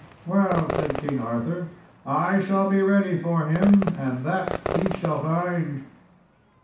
"Well," said King Arthur, "I shall be ready for him, and that shall he find."